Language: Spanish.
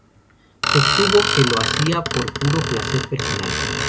Sostuvo que lo hacía por puro placer personal.